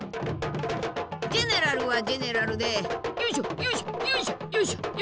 ジェネラルはジェネラルでよいしょよいしょよいしょよいしょよいしょ。